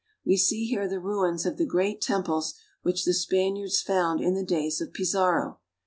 We see here the ruins of the great temples which the Spaniards found in the days of Pizarro.